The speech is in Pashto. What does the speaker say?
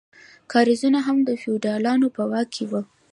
کاریزونه هم د فیوډالانو په واک کې وو.